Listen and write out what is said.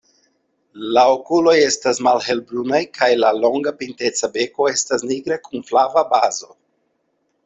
La okuloj estas malhelbrunaj kaj la longa, pinteca beko estas nigra kun flava bazo.